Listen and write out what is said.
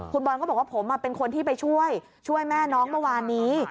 คุณบอลก็บอกว่าผมเป็นคนที่ไปช่วยช่วยแม่น้องเมื่อวานนี้